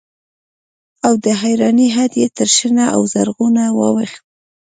او د حيرانۍ حد يې تر شنه او زرغونه واوښت.